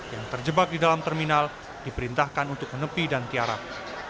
yang terjebak di dalam terminal diperintahkan untuk menepi dan tiarap